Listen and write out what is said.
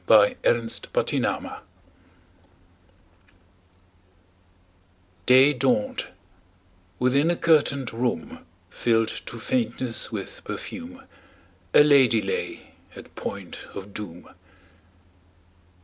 Y Z History of a Life DAY dawned: within a curtained room, Filled to faintness with perfume, A lady lay at point of doom.